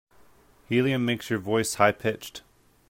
Helium makes your voice high pitched.